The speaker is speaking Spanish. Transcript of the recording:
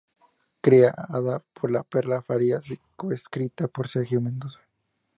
Creada por Perla Farías y coescrita por Sergio Mendoza.